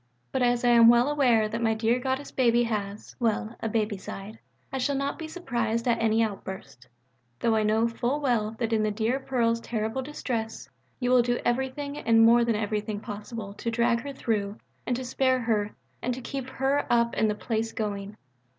But as I am well aware that my dear Goddess baby has well, a baby side, I shall not be surprised at any outburst though I know full well that in the dear Pearl's terrible distress, you will do everything and more than everything possible to drag her through and to spare her and to keep her up and the place going.